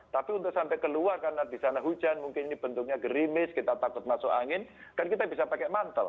tapi untuk sampai keluar karena di sana hujan mungkin ini bentuknya gerimis kita takut masuk angin kan kita bisa pakai mantel